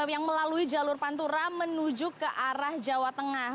yang melalui jalur pantura menuju ke arah jawa tengah